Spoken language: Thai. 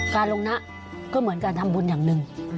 การลงนะก็เหมือนการทำบุญอย่างหนึ่ง